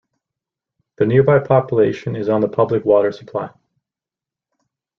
The nearby population is on the public water supply.